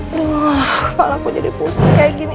aduh kepala aku jadi pusing kayak gini